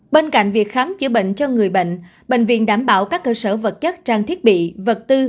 bên cạnh việc khám chữa bệnh cho người bệnh bệnh viện đảm bảo các cơ sở vật chất trang thiết bị vật tư